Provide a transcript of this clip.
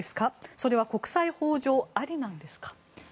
それは国際法上ありなのですか。